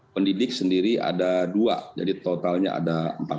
pendidik sendiri ada dua jadi totalnya ada empat